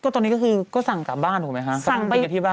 ตอนนี้ก็คือก็สั่งกลับบ้านหรือไหมคะ